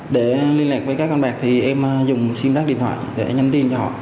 để liên lạc với các con bạc thì em dùng sim rác điện thoại để nhắn tin cho họ